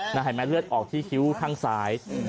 เห็นไหมเลือดออกที่คิ้วข้างซ้าย